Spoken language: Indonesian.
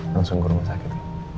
langsung ke rumah sakit